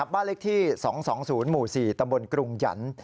บ้านเลขที่๒๒๐หมู่๔ตำบลกรุงหยัน